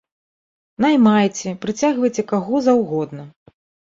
Наймайце, прыцягвайце каго заўгодна.